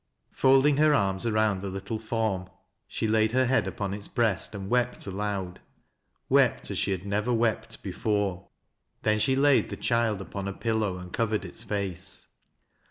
Feldiug her arms around the little form, she laid hci head upon its breast and wept aloud, — wept as she had .lever wept before. Then she laid the child upon a pillov; and covered its face.